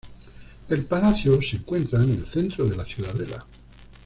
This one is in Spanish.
El palacio se encuentra en el centro de la ciudadela.